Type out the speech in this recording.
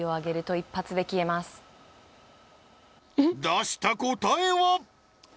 出した答えは？